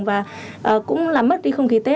và cũng làm mất đi không khí tết